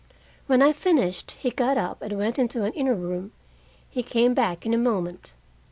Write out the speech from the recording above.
When I finished he got up and went into an inner room. He came back in a moment.